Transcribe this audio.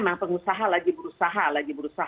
emang pengusaha lagi berusaha